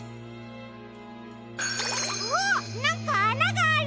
あっなんかあながある！